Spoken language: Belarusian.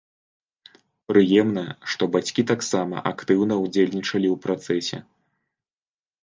Прыемна, што бацькі таксама актыўна ўдзельнічалі ў працэсе.